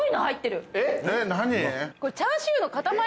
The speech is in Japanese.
えっ何？